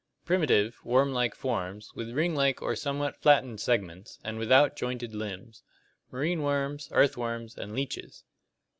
Primitive, worm like forms, with ring like or somewhat flattened segments, and without jointed limbs. Marine worms, earthworms, and leeches.